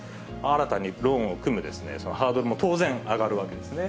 新たにローンを組むハードルも当然、上がるわけですね。